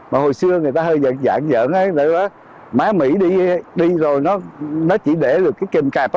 mà hồi xưa người ta hơi giản dởn mấy mỹ đi rồi nó chỉ để được cái kèm cạp